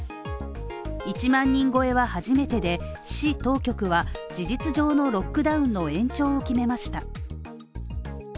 １万人超えは初めてで、市当局は事実上のロックダウンの延長を決めました。